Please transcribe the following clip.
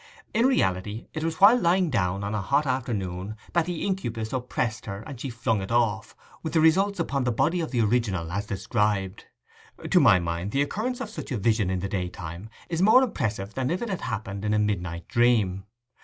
In reality it was while lying down on a hot afternoon that the incubus oppressed her and she flung it off, with the results upon the body of the original as described. To my mind the occurrence of such a vision in the daytime is more impressive than if it had happened in a midnight dream.